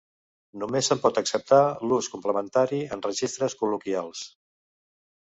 Només se'n pot acceptar l'ús complementari en registres col·loquials.